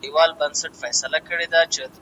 د غوښتنو تر اغېز لاندې څېړنه خوندوره نه وي.